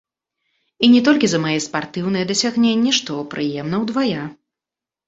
І не толькі за мае спартыўныя дасягненні, што прыемна ўдвая!